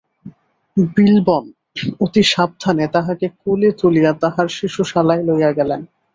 বিল্বন অতি সাবধানে তাহাকে কোলে তুলিয়া তাঁহার শিশুশালায় লইয়া গেলেন।